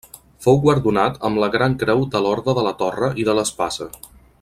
Fou guardonat amb la gran creu de l'Orde de la Torre i de l'Espasa.